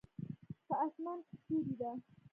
په اسمان کې ستوری ده